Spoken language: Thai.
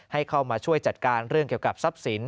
ให้เข้ามาช่วยจัดการเรื่องเกี่ยวกับทรัพย์สิน